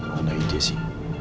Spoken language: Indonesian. mau ngandalkan jessy